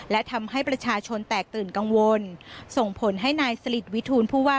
และทำให้ประชาชนแตกตื่นกังวลส่งผลให้นายสลิดวิทูลผู้ว่า